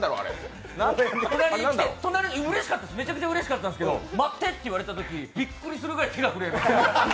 めちゃくちゃうれしかったんですけど、待ってと言われたとき、びっくりするぐらい手が震えました。